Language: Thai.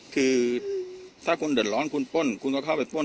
คือถ้าคุณเดือดร้อนคุณป้นคุณก็เข้าไปป้น